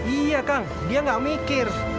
iya kang dia gak mikir